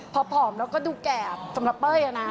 พอผอมแล้วก็ดูแก่สำหรับเป้ยนะ